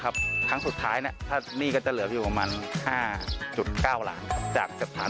ครับครั้งสุดท้ายนี่ก็จะเหลืออยู่ประมาณ๕๙ล้านจาก๓๔๙ล้าน